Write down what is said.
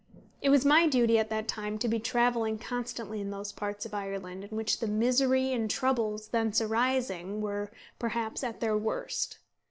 It was my duty at that time to be travelling constantly in those parts of Ireland in which the misery and troubles thence arising were, perhaps, at their worst.